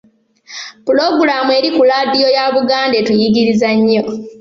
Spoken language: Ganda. Pulogulamu eri ku laadiyo ya Buganda etuyigiriza nnyo.